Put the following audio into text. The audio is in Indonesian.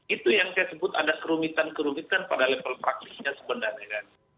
itu yang saya sebut ada kerumitan kerumitan pada level praktisnya sebenarnya kan